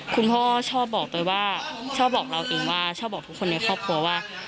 คุณพ่อชอบบอกไปว่าชอบบอกเราเองว่าชอบบอกทุกคนในครอบครัวว่า